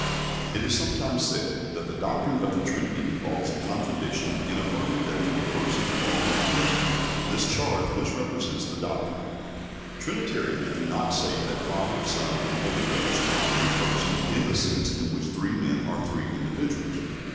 It is sometimes said that the doctrine of the Trinity involves a contradiction in affirming that three Persons are one Person. This charge misrepresents the doctrine. Trinitarians do not say that Father, Son, and Holy Ghost are three Persons in the sense in which three men are three individuals.